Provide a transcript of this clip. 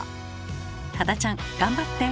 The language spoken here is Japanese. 多田ちゃん頑張って！